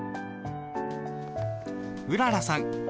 うららさん。